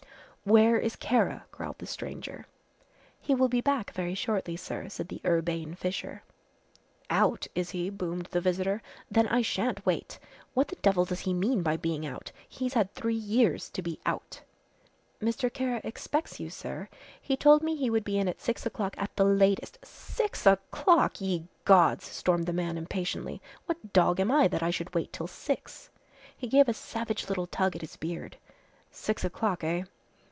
"Where is Kara?" growled the stranger. "He will be back very shortly, sir," said the urbane Fisher. "Out, is he?" boomed the visitor. "Then I shan't wait. What the devil does he mean by being out? He's had three years to be out!" "Mr. Kara expects you, sir. He told me he would be in at six o'clock at the latest." "Six o'clock, ye gods'." stormed the man impatiently. "What dog am I that I should wait till six?" He gave a savage little tug at his beard. "Six o'clock, eh?